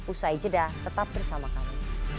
usai jeda tetap bersama kami